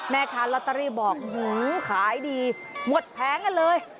แม่ค้าลอตเตอรี่บอกขายดีหมดแผงกันเลย